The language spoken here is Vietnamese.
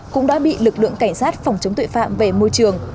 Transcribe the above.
cũng đã bị lực lượng cảnh sát phòng chống tội phạm về môi trường